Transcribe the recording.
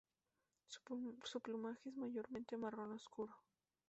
Su plumaje es mayormente marrón oscuro.